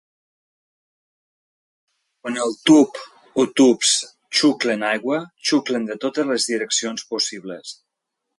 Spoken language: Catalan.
Quan el tub o tubs xuclen aigua, xuclen de totes les direccions possibles.